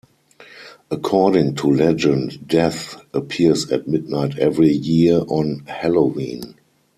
According to legend, "Death" appears at midnight every year on Halloween.